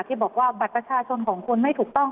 ที่บอกว่าบัตรประชาชนของคุณไม่ถูกต้อง